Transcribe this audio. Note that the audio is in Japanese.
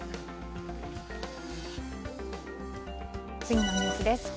次のニュースです。